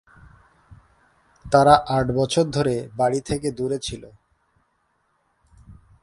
তারা আট বছর ধরে বাড়ি থেকে দূরে ছিল।